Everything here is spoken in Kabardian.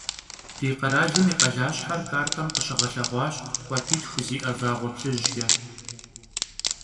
Di kheralım yi khalaşher kartem khışığelheğuaş khuapitxu zi'e vağue plhıjç'e.